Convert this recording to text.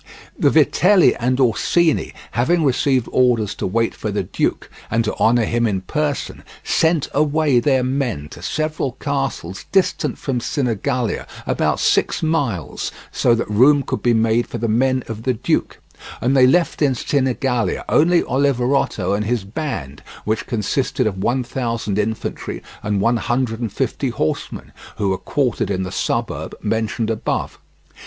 The Vitelli and Orsini having received orders to wait for the duke, and to honour him in person, sent away their men to several castles distant from Sinigalia about six miles, so that room could be made for the men of the duke; and they left in Sinigalia only Oliverotto and his band, which consisted of one thousand infantry and one hundred and fifty horsemen, who were quartered in the suburb mentioned above.